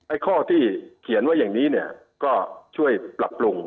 ข้อที่เขียนไว้อย่างนี้เนี่ยก็ช่วยปรับปรุง